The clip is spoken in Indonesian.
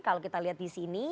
kalau kita lihat disini